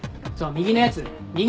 右のやつ。